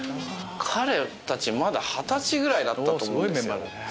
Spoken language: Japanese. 彼たちまだ二十歳ぐらいだったと思う。